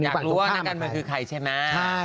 อยากรู้ว่านักการเมืองคือใครใช่ไหม